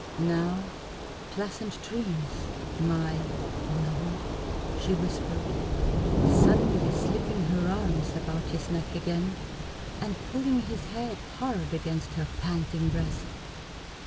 Now, pleasant dreams, my lover!" she whispered, suddenly slipping her arms about his neck again and pulling his head hard against her panting breast.